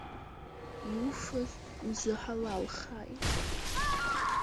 Иуфаз узыҳалалхааит.